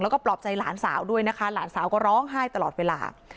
แล้วก็ปลอบใจหลานสาวด้วยนะคะหลานสาวก็ร้องไห้ตลอดเวลา